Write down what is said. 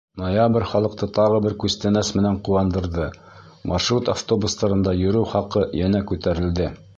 Ноябрь халыҡты тағы бер «күстәнәс» менән «ҡыуандырҙы»: маршрут автобустарында йөрөү хаҡы йәнә күтәрелде.